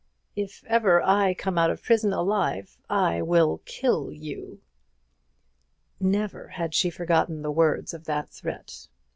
"If ever I come out of prison alive, I will kill you!" Never had she forgotten the words of that threat.